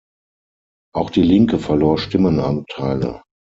Auch Die Linke verlor Stimmenanteile.